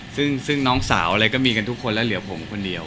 ซึ่งน้องสาวอะไรก็มีกันทุกคนแล้วเหลือผมคนเดียว